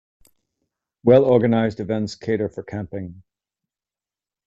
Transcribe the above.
Well organised events cater for camping.